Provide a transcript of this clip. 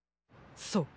そう！